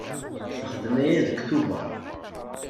Nexdem aya deg Tubeṛ.